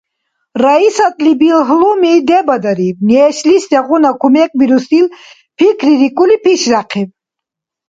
Раисатли билгьлуми дебадариб. Нешлис сегъуна кумекбирусил пикририкӀули, пишряхъиб.